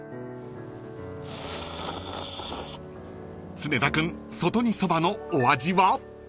［常田君外二そばのお味は？］